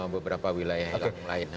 beberapa wilayah yang lain